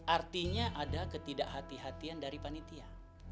artinya ada ketidakhatian hatian dari panitia